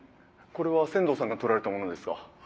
これは仙堂さんが撮られたものですか？